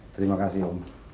terima kasih om